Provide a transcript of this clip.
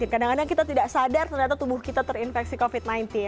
kadang kadang kita tidak sadar ternyata tubuh kita terinfeksi covid sembilan belas